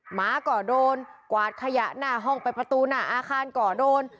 หมาก่อโดนกวาดขยะหน้าห้องไปประตูหน้าอาคารก่อโดน